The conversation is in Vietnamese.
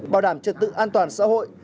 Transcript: bảo đảm trực tự an toàn xã hội